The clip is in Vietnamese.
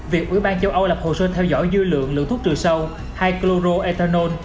việc ủy ban châu âu lập hồ sơ theo dõi dư lượng lượng thuốc trừ sâu hay chloroethanol